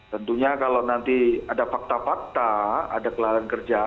tentunya kalau nanti ada fakta fakta ada kelalaian kerja